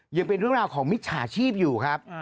ยังเป็นเรื่องราวของมิจฉาชีพอยู่ครับ